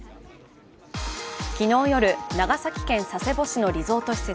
昨日夜、長崎県佐世保市のリゾート施設